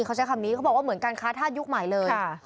เขาใช้คำนี้เขาบอกว่าเหมือนการค้าธาตุยุคใหม่เลย